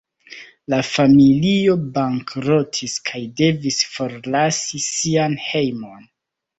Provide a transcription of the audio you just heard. La familio bankrotis kaj devis forlasi sian hejmon.